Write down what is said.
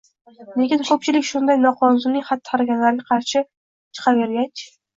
lekin ko‘pchilik shunday noqonuniy xatti-harakatlarga qarshi chiqavergach